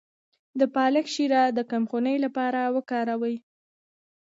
د پالک شیره د کمخونۍ لپاره وکاروئ